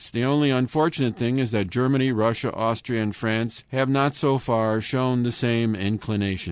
The only unfortunate thing is that Germany, Russia, Austria, and France have not so far shown the same inclination.